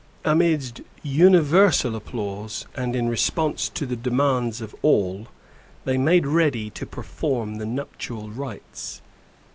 Amidst universal applause, and in response to the demands of all, they made ready to perform the nuptial rites.